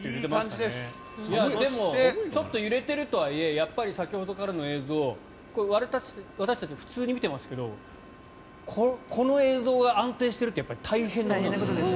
でもちょっと揺れているとはいえやっぱり先ほどからの映像私たち、普通に見てますけどこの映像が安定してるって大変なんですよ。